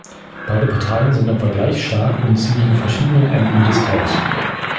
Beide Parteien sind etwa gleich stark und ziehen an verschiedenen Enden des Taus.